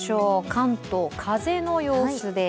関東、風の様子です。